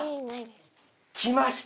きました！